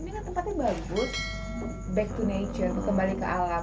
ini kan tempatnya bagus back to nature kembali ke alam